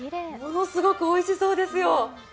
ものすごくおいしそうですよ。